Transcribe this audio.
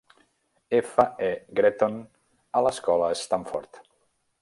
F. E. Gretton a l'escola Stamford.